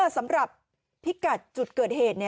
สำหรับพิกัดจุดเกิดเหตุ